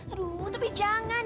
aduh tapi jangan